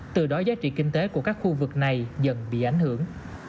từ đó giá trị kinh tế của các khu vực này dần bị ảnh hưởng